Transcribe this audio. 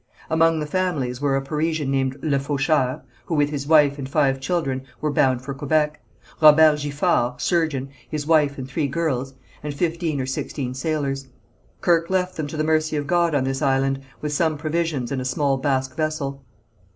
Among the families were a Parisian named Le Faucheur, who with his wife and five children were bound for Quebec, Robert Giffard, surgeon, his wife and three girls, and fifteen or sixteen sailors. Kirke left them to the mercy of God on this island with some provisions and a small Basque vessel.